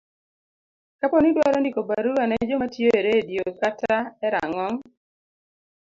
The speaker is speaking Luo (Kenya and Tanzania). Kapo ni idwaro ndiko barua ne joma tiyo e redio kata e rang'ong